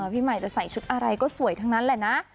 พี่ใหม่จะใส่ชุดอะไรก็สวยทั้งนั้นแหละนะ